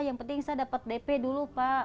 yang penting saya dapat dp dulu pak